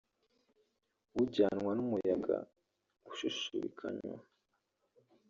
ujyanwa n'umuyaga ushushubikanywa